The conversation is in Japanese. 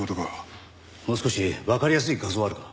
もう少しわかりやすい画像はあるか？